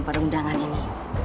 pada undangan ini